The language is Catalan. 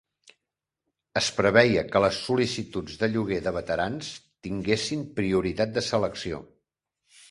Es preveia que les sol·licituds de lloguer de veterans tinguessin prioritat de selecció.